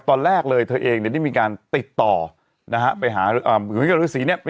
ตอนแรกเลยเธอเองเนี่ยได้มีการติดต่อนะฮะไปหาเหมือนกับฤษีเนี่ย